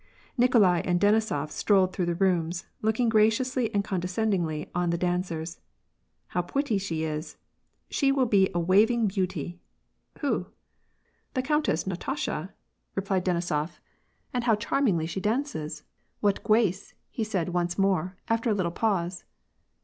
Nikolai and Denisof strolled through the rooms, looking graciously and condescendingly on the dancers. " How pwetty she is ! She will be a waving beauty !"" Who ?"" The Countess Natasha," replied Denisof. VOL, 2,— 4. 60 ^^^ A.ND PEACE. ^'And how charmingly she dances! What gwaoe!" he said once more, after a little pause.